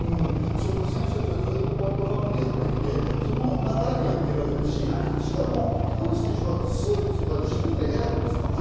選手たちはずっとワールドカップでやってきて、その流れでやっているわけだし、高梨選手はスーツは自分で選ぶんですか？